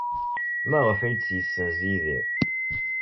Maɣef ay t-yessenz Yidir?